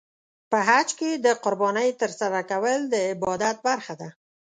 په حج کې د قربانۍ ترسره کول د عبادت برخه ده.